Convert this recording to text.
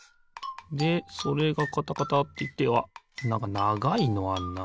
でそれがカタカタっていってわっなんかながいのあんな。